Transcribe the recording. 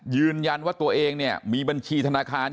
ยืนยันว่าตัวเองเนี่ยมีบัญชีธนาคาร